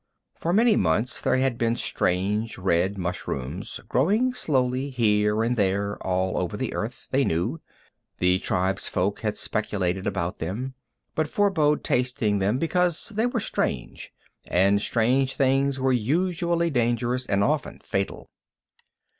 For many months there had been strange red mushrooms growing slowly here and there all over the earth, they knew. The tribefolk had speculated about them, but forebore tasting them because they were strange, and strange things were usually dangerous and often fatal.